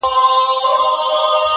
ټولنیزې شبکې معلومات ژر رسوي